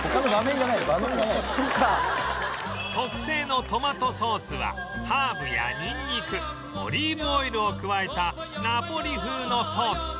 特製のトマトソースはハーブやニンニクオリーブオイルを加えたナポリ風のソース